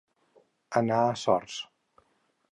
Anar a sorts.